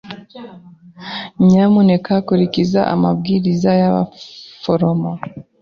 Nyamuneka kurikiza amabwiriza y'abaforomo.